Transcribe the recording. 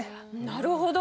なるほど。